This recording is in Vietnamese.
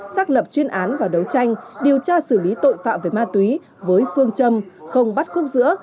xác lập chuyên án và đấu tranh điều tra xử lý tội phạm về ma túy với phương châm không bắt khúc giữa